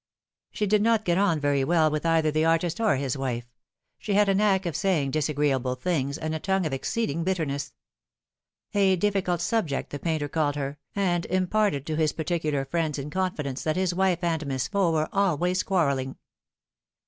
She did not get on very well with either the artist or his wife. She had a knack of saying disagreeable things, and a tongue of exceeding bitterness. A difficult subject the painter called her, and imparted to his particular friends in confidence that his wife and Miss Faux were always quarrelling.